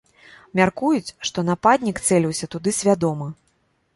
Мяркуюць, што нападнік цэліўся туды свядома.